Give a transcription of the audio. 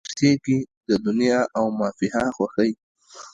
هلته اوسیږې د دنیا او مافیها خوښۍ